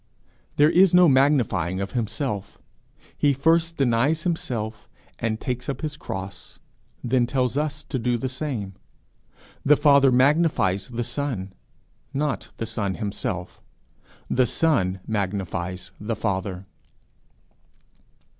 There is no magnifying of himself. He first denies himself, and takes up his cross then tells us to do the same. The Father magnifies the Son, not the Son himself; the Son magnifies the Father.